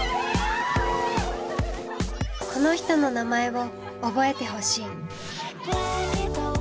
この人の名前を覚えてほしい。